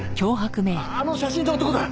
あの写真の男だ！